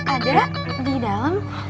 ada di dalam